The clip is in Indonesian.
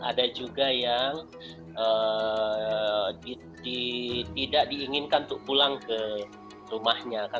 ada juga yang tidak diinginkan untuk pulang ke rumahnya